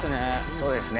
そうですね。